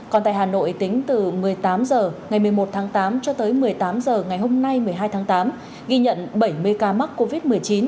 còn tại hà nội tính từ một mươi tám h ngày một mươi một tháng tám cho tới một mươi tám h ngày hôm nay một mươi hai tháng tám ghi nhận bảy mươi ca mắc covid một mươi chín